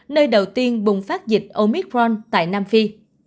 nơi đầu tiên bùng phát dịch omicron tại nam phi